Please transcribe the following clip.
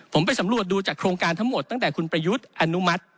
ผมไปสำรวจดูจากโครงการทั้งหมดตั้งแต่คุณประยุทธ์อนุมัติ